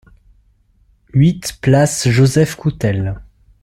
huit place Joseph Coutel